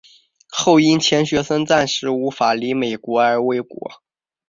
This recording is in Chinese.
后因钱学森暂时无法离美而未果。